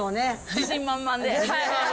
自信満々で。